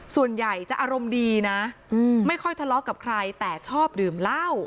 ส่วนใหญ่จะอารมณ์ดีนะไม่ค่อยทะเลาะกับใครแต่ชอบดื่มเหล้า